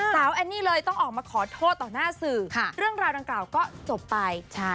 แอนนี่เลยต้องออกมาขอโทษต่อหน้าสื่อเรื่องราวดังกล่าวก็จบไป